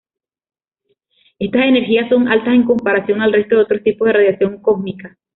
Estas energías son altas en comparación al resto de otro tipos de radiación cósmica.